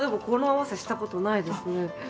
この合わせしたことないですね。